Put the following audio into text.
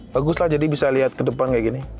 baguslah jadi bisa lihat ke depan kayak gini